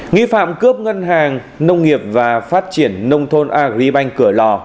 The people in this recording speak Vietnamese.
nghi phạm cướp ngân hàng nông nghiệp và phát triển nông thôn agribank cửa lò